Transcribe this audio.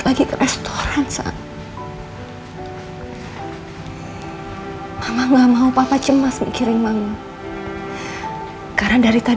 aku tidak bisa mengambil keputusan seperti aldebaran